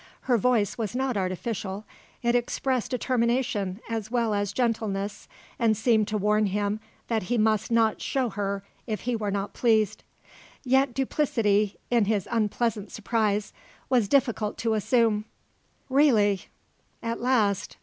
Her voice was not artificial; it expressed determination as well as gentleness and seemed to warn him that he must not show her if he were not pleased. Yet duplicity, in his unpleasant surprise, was difficult to assume. "Really. At last.